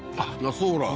ソーラー